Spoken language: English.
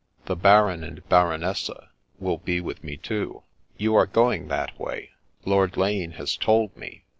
The Baron and Baronessa will be with me, too. You are going that way. Lord Lane has told me.